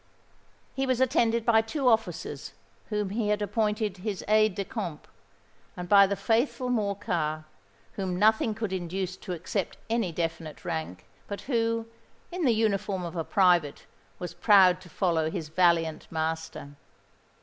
He was attended by two officers whom he had appointed his aides de camp, and by the faithful Morcar, whom nothing could induce to accept any definite rank, but who, in the uniform of a private, was proud to follow his valiant master.